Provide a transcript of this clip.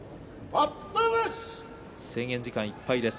制限時間いっぱいです。